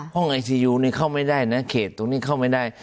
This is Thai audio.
ห้องไอซียูนี่เข้าไม่ได้นะเขตตรงนี้เข้าไม่ได้